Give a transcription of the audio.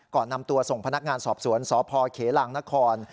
ก่อนนำตัวส่งพนักงานสอบสวนสพเขลางนคร